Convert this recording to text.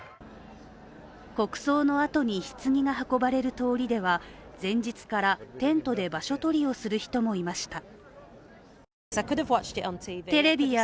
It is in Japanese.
国葬のあとにひつぎが運ばれる通りでは前日からテントで場所取りをする人もいました。